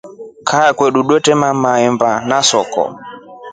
Kaa kwamotu twetema maheba na soko.